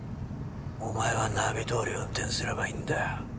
お前はナビどおり運転すればいいんだよ。